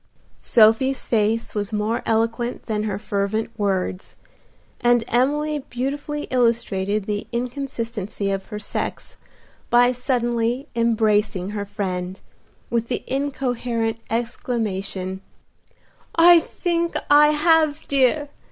Sophie's face was more eloquent than her fervent words, and Emily beautifully illustrated the inconsistency of her sex by suddenly embracing her friend, with the incoherent exclamation, "I think I have, dear!